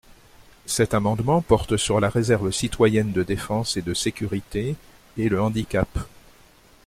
Cet amendement porte sur la réserve citoyenne de défense et de sécurité, et le handicap.